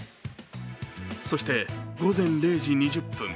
そして、午前０時２０分。